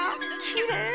きれい。